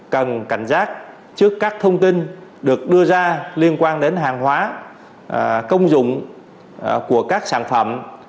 cần cảnh giác trước các thông tin được đưa ra liên quan đến hàng hóa công dụng của các sản phẩm